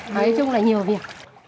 nói chung là nhiều việc